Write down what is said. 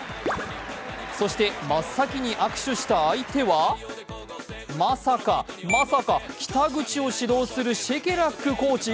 そして、真っ先に握手した相手はまさか、まさか、北口を指導するシェケラックコーチ？